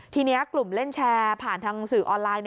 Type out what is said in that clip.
ทีนี้กลุ่มเล่นแชร์ผ่านทางสื่อออนไลน์